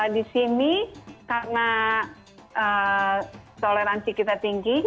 di sini karena toleransi kita tinggi